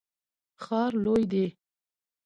ښار لوی دی.